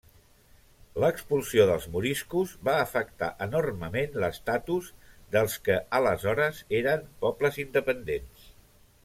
L'expulsió dels moriscos va afectar enormement l'estatus dels que, aleshores, era pobles independents.